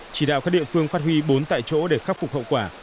chỉ đạo các địa phương phát huy bốn tại chỗ để khắc phục hậu quả